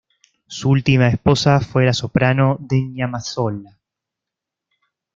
Su última esposa fue la soprano Denia Mazzola.